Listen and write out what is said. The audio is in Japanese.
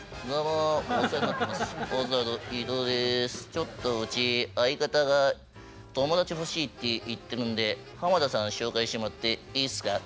ちょっとうち相方が友達欲しいって言ってるんで浜田さん紹介してもらっていいっすか？